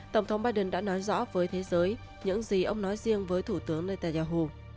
tổng thống biden đã nói rõ với thế giới những gì ông nói riêng với thủ tướng netanyahu